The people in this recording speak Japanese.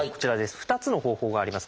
２つの方法があります。